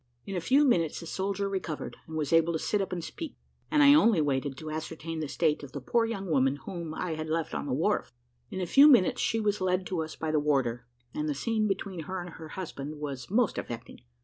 In a few minutes the soldier recovered, and was able to sit up and speak, and I only waited to ascertain the state of the poor young woman whom I had left on the wharf. In a few minutes she was led to us by the warder, and the scene between her and her husband was most affecting.